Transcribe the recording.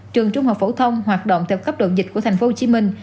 trường trung học phổ thông hoạt động theo cấp độ dịch của tp hcm